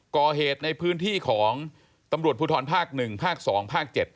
ก่อเหตุในพื้นที่ของตำรวจภูทรภาค๑ภาค๒ภาค๗